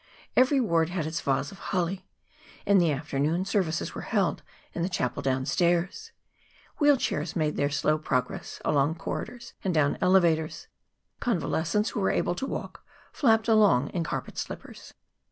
Every ward had its vase of holly. In the afternoon, services were held in the chapel downstairs. Wheel chairs made their slow progress along corridors and down elevators. Convalescents who were able to walk flapped along in carpet slippers.